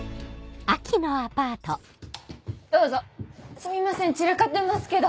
どうぞすみません散らかってますけど。